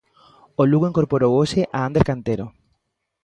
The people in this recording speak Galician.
O Lugo incorporou hoxe a Ander Cantero.